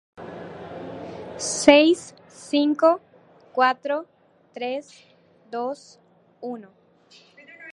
Seis, cinco, cuatro, tres, dos, uno